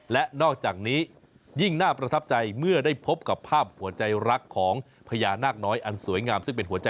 และนอกจากนี้ยิ่งน่าประทับใจเมื่อได้พบกับภาพหัวใจรักของพญานาคน้อยอันสวยงามซึ่งเป็นหัวใจ